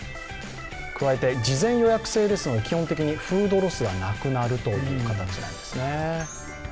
加えて事前予約制ですので、基本的にフードロスがなくなるという形なんですね。